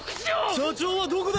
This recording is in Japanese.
社長はどこだ！